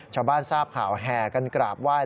ชาวบ้านทราบข่าวแห่กันกราบไหว้